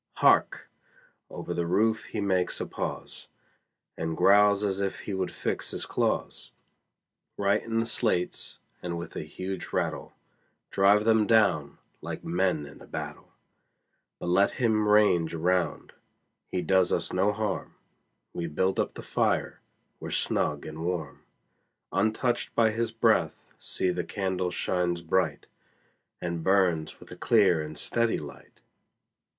Hark! over the roof he makes a pause, And growls as if he would fix his claws Right in the slates, and with a huge rattle Drive them down, like men in a battle: But let him range round; he does us no harm, We build up the fire, we're snug and warm; Untouched by his breath see the candle shines bright, And burns with a clear and steady light.